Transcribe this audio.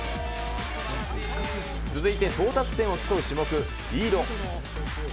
続いて到達点を競う種目、リード。